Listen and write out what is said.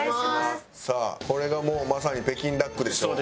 さあこれがもうまさに北京ダックでしょう。